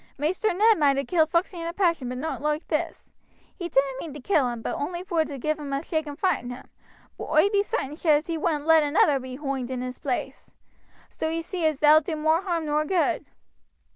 "Maister Ned might ha' killed Foxey in a passion, but not loike this. He didn't mean to kill him, but only vor to give him a shaake and frighten him. But oi be sartin sure as he wouldn't let another be hoonged in his place. So ye see thou'd do more harm nor good."